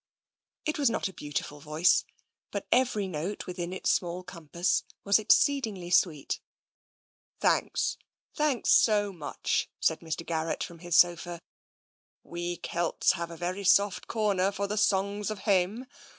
It was not a beautiful voice, but every note within its small compass was exceedingly sweet. " Thanks — thanks so much," said Mr. Garrett from his sofa. " We Kelts have a very soft corner for the Songs of Hame.